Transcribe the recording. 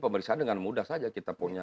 pemeriksaan saya tahu saya degli tutorial a